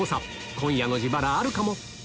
今夜の自腹あるかも？